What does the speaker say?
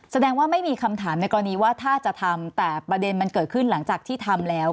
แสดงว่าไม่มีคำถามในกรณีว่าถ้าจะทำแต่ประเด็นมันเกิดขึ้นหลังจากที่ทำแล้ว